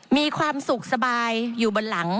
มีความสุขสบายอยู่บนหลัง